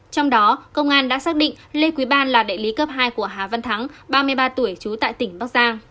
trong đó công an đã xác định lê quý ban là đại lý cấp hai của hà văn thắng ba mươi ba tuổi trú tại tỉnh bắc giang